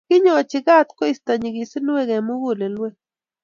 Kenyochi kat koistoi nyikisinwek eng mugulelwek